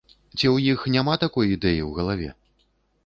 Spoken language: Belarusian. Ці ў іх няма такой ідэі ў галаве?